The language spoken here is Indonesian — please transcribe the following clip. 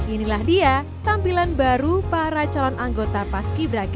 inilah dia tampilan baru para calon anggota agentanie kurz defeating